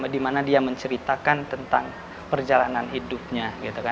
di mana dia menceritakan tentang perjalanan hidupnya